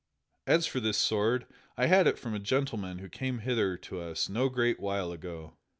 As for this sword, I had it from a gentleman who came hither to us no great while ago."